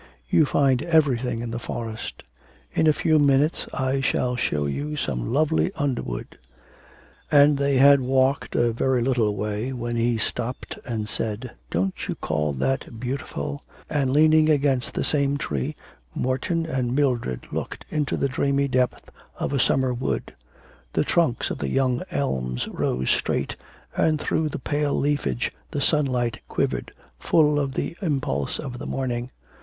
You find everything in the forest. In a few minutes I shall show you some lovely underwood.' And they had walked a very little way when he stopped and said: 'Don't you call that beautiful?' and, leaning against the same tree, Morton and Mildred looked into the dreamy depth of a summer wood. The trunks of the young elms rose straight, and through the pale leafage the sunlight quivered, full of the impulse of the morning.